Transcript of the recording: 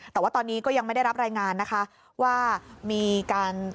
แต่ว่าตอนนี้ก็ยังไม่ได้รับรายงานนะคะ